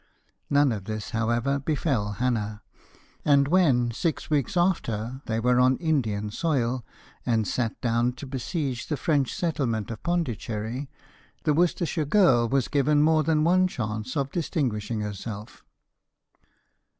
None of this, however, befell Hannah, and when six weeks after, they were on Indian soil, and sat down to besiege the French settlement of Pondicherry, the Worcestershire girl was given more than one chance of distinguishing herself.